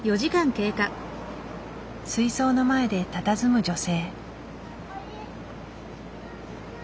水槽の前でたたずむ女性。